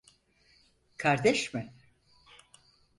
Kardeş mi?